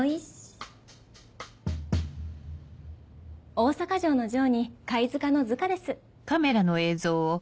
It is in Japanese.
大阪城の「城」に貝塚の「塚」です。